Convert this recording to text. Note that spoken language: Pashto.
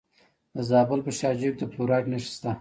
د زابل په شاجوی کې د فلورایټ نښې شته.